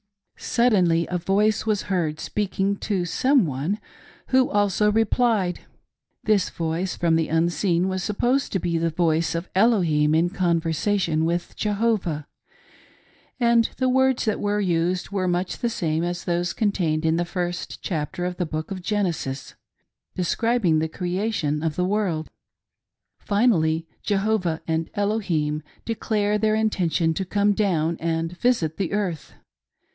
Suddenly a voice was heard speaking to some one, who alsb replied. This voice from the unseen was supposed to be the voice of Elohim in conversation with Jehovah, and the words that were used were much the same as those contained, in the first chapter of the book of Genesis describing the cre&tioh of the world. Finally, Jehovah and Elohim declare their intention to come down and visit the earth.